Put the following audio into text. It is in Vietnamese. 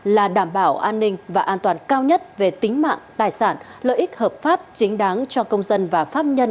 là đảm bảo an ninh và an toàn cao nhất về tính mạng tài sản lợi ích hợp pháp chính đáng cho công dân